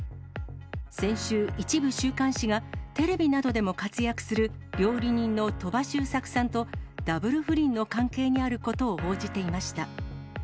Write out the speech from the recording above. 先週、一部週刊誌が、テレビなどでも活躍する料理人の鳥羽周作さんと、ダブル不倫の関係にあることを報じていました。